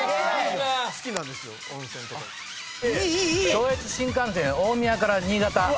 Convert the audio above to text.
上越新幹線大宮から新潟。